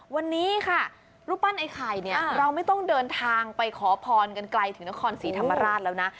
วันนี้ค่ะรูปปั้นไอ้ไข่เนี่ยเราไม่ต้องเดินทางไปขอพรกันไกลถึงนครศรีธรรมราชแล้วนะ